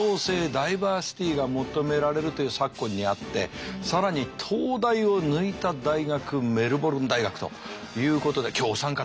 ダイバーシティーが求められるという昨今にあって更に東大を抜いた大学メルボルン大学ということで今日お三方